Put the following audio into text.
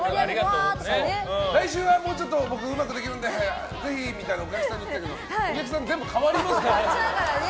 来週はもうちょっとうまくできるんでぜひ！みたいなの言ってたけどお客さん、毎回変わりますからね。